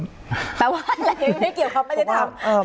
แปลว่าอะไรไม่เกี่ยวครับไม่ได้ทำ